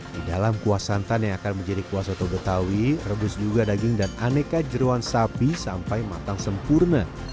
di dalam kuah santan yang akan menjadi kuah soto betawi rebus juga daging dan aneka jeruan sapi sampai matang sempurna